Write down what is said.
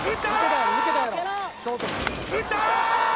打ったー！